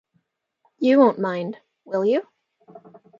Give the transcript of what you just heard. You won't mind, will you?